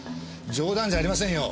冗談じゃありませんよ。